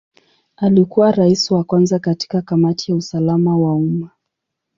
Alikuwa Rais wa kwanza katika Kamati ya usalama wa umma.